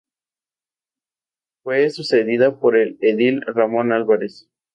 Fue sucedida por el edil Ramón Álvarez.